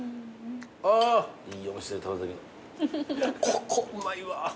ここうまいわ。